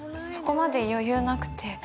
そこまで余裕なくて。